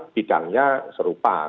memang bidangnya serupa